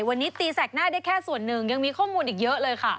วันนี้ตีแสกหน้าได้แค่ส่วนหนึ่งยังมีข้อมูลอีกเยอะเลยค่ะ